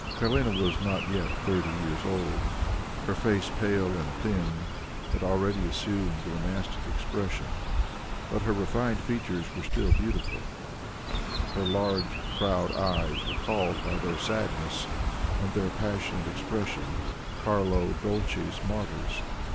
Helene was not yet thirty years old; her face, pale and thin, had already assumed the monastic expression, but her refined features were still beautiful; her large proud eyes recalled by their sadness and their passionate expression Carlo Dolce's martyrs.